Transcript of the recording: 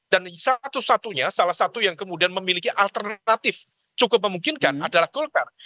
dan satu satunya salah satu yang kemudian memiliki alternatif cukup memungkinkan adalah golkar